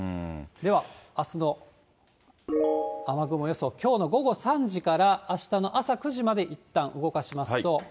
では、あすの雨雲予想、きょうの午後３時からあしたの朝９時まで、いったん動かしますと。